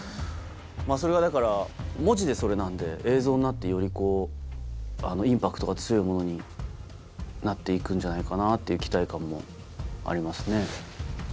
それはだから文字でそれなんで映像になってよりこうインパクトが強いものになって行くんじゃないかなっていう期待感もありますね。